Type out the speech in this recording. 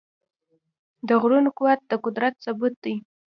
د غرونو قوت د قدرت ثبوت دی.